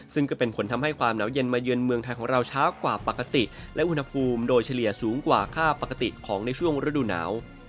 ซึ่งก็เป็นผลทำให้ความหนาวเย็นมาเยือนเมืองไทยของเราช้ากว่าปกติและอุณหภูมิโดยเฉลี่ยสูงกว่าค่าปกติของในช่วงฤดูหนาว